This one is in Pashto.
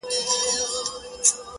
چاته وايی سخاوت دي یزداني دی!!